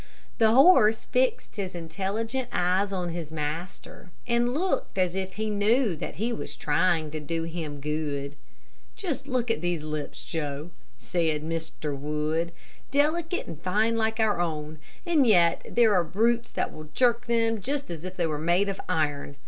The horse fixed his intelligent eyes on his master and looked as if he knew that he was trying to do him good. "Just look at these lips, Joe," said Mr. Wood; "delicate and fine like our own, and yet there are brutes that will jerk them as if they were made of iron.